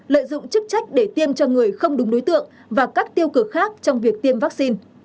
lợi dụng chức trách để tiêm cho người không đúng đối tượng và các tiêu cực khác trong việc tiêm vaccine